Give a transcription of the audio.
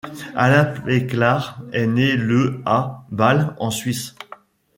Alain Péclard est né le à Bâle en Suisse.